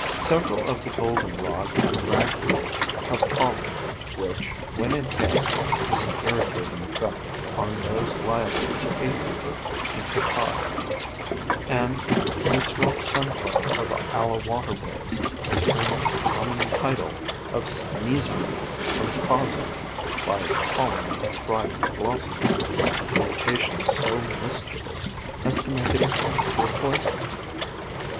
Several of the Goldenrods and Ragweeds have pollen which, when inhaled, has an irritating effect upon those liable to hay fever and catarrh ; and the Swamp Sunflower of our waterways has earned its common title of Sneezeweed from causing, by its pollen and dried blossoms, an irritation so mis chievous as to make it akin to a poison.